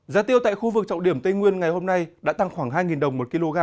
giá tiêu tại khu vực trọng điểm tây nguyên ngày hôm nay đã tăng khoảng hai đồng một kg